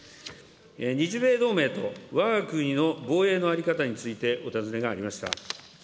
日米同盟とわが国の防衛の在り方についてお尋ねがありました。